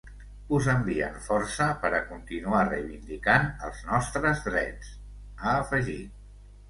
Us envien força per a continuar reivindicant els nostres drets, ha afegit.